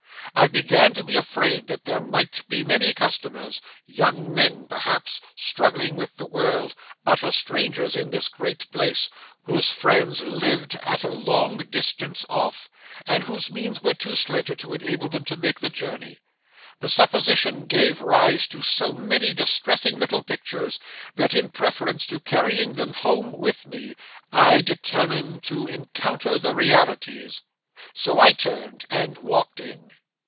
I began to be afraid there might be many customers—young men, perhaps, struggling with the world, utter strangers in this great place, whose friends lived at a long distance off, and whose means were too slender to enable them to make the journey. The supposition gave rise to so many distressing little pictures, that in preference to carrying them home with me, I determined to encounter the realities. So I turned and walked in.